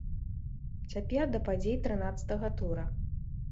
Цяпер да падзей трынаццатага тура!